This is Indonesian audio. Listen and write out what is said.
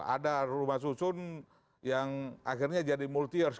ada rumah susun yang akhirnya jadi multi years